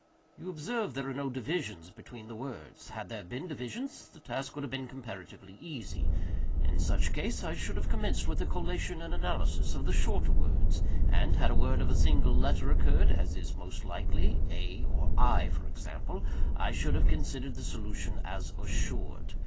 "You observe there are no divisions between the words. Had there been divisions, the task would have been comparatively easy. In such case I should have commenced with a collation and analysis of the shorter words, and, had a word of a single letter occurred, as is most likely, (a or I, for example,) I should have considered the solution as assured.